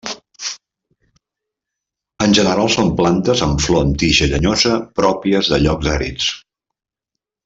En general són plantes amb flor amb tija llenyosa pròpies de llocs àrids.